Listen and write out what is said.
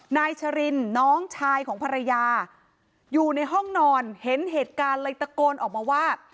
นายชรินน้องชายของภรรยาอยู่ในห้องนอนเห็นเหตุการณ์เลยตะโกนออกมาว่า